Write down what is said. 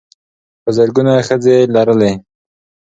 په زرګونه ښځې لرلې.